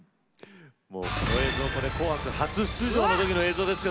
この映像「紅白」初出場の時の映像ですよ。